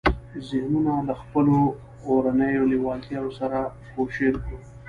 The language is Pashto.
ذهنونه له خپلو اورنيو لېوالتیاوو سره کوشير کړو.